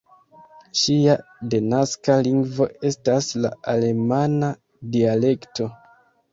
Ŝia denaska lingvo estas la alemana dialekto.